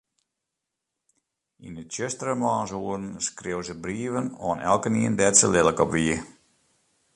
Yn 'e tsjustere moarnsoeren skreau se brieven oan elkenien dêr't se lilk op wie.